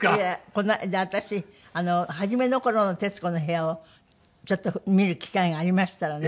この間私初めの頃の『徹子の部屋』をちょっと見る機会がありましたらね